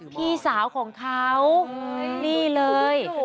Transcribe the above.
พี่สาวของเขานี่เลย